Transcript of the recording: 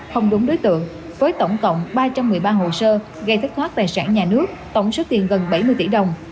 không đúng đối tượng với tổng cộng ba trăm một mươi ba hồ sơ gây thất thoát tài sản nhà nước tổng số tiền gần bảy mươi tỷ đồng